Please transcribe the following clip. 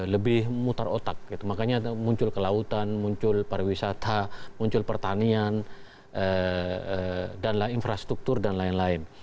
lebih mutar otak gitu makanya muncul kelautan muncul pariwisata muncul pertanian infrastruktur dan lain lain